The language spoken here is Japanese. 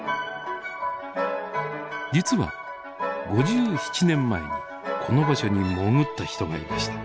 実は５７年前にこの場所に潜った人がいました。